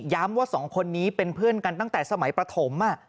ว่าสองคนนี้เป็นเพื่อนกันตั้งแต่สมัยประถม